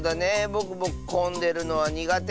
ぼくもこんでるのはにがて。